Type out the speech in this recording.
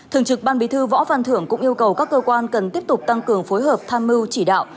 thường trực ban bí thư võ phan thưởng cũng yêu cầu các cơ quan cần tiếp tục tăng cường phối hợp tham mưu chỉ đạo